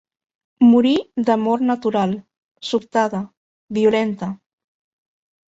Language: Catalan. Morir de mort natural, sobtada, violenta.